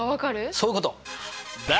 そういうこと！